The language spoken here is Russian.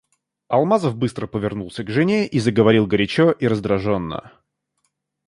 Алмазов быстро повернулся к жене и заговорил горячо и раздражённо.